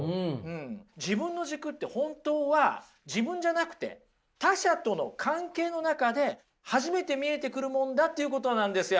自分の軸って本当は自分じゃなくて他者との関係のなかで初めて見えてくるものだということなんですよ